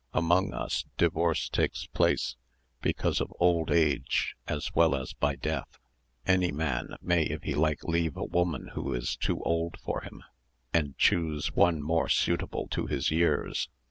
Among us divorce takes place, because of old age as well as by death. Any man may if he likes leave a woman who is too old for him, and choose one more suitable to his years.